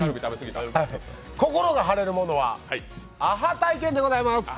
心が晴れるものは、アハ体験でございます。